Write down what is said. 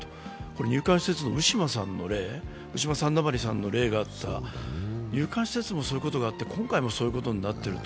入管施設のウィシュマ・サンダマリさんの例があった、入管施設もそういうことになって、今回もそういうことになっている。